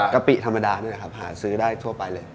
กะปิธรรมดาหาซื้อได้ทั่วไปเลย